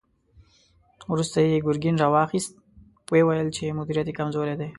وروسته يې ګرګين را واخيست، ويې ويل چې مديريت يې کمزوری دی.